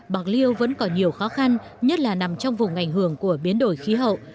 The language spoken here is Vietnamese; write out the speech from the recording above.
bạc liêu vẫn còn nhiều khó khăn nhất là nằm trong vùng ảnh hưởng của biến đổi khí hậu